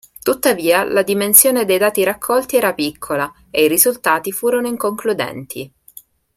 Tuttavia, la dimensione dei dati raccolti era piccola e i risultati furono inconcludenti.